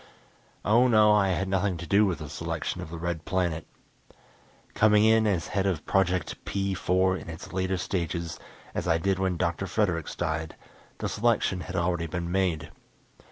Oh, no, I had nothing to do with the selection of the Red Planet. Coming in as head of Project P 4 in its latter stages, as I did when Dr. Fredericks died, the selection had already been made.